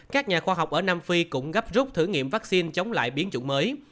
các nhà khoa học ở nam phi cũng gấp rút thử nghiệm vaccine chống lại biến chủng mới